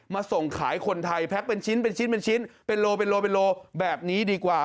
ส่งขายคนไทยแพ็คเป็นชิ้นเป็นชิ้นเป็นชิ้นเป็นโลเป็นโลเป็นโลแบบนี้ดีกว่า